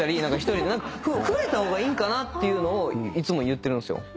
触れた方がいいんかな？っていうのをいつも言ってるんすよ。